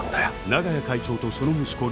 長屋会長とその息子